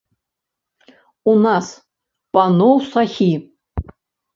У нас, паноў сахі!